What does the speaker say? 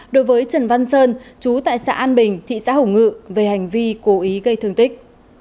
đối với trần văn sơn chú tại xã an bình thị xã hồng ngự về hành vi cố ý gây thương tích